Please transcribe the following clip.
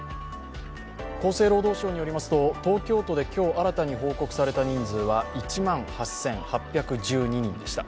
厚生労働省によりますと、東京都で今日新たに報告された人数は１万８８１２人でした。